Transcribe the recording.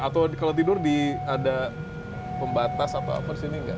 atau kalau tidur di ada pembatas atau apa disini gak